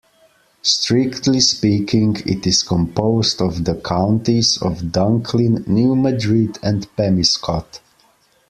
Strictly speaking, it is composed of the counties of Dunklin, New Madrid, and Pemiscot.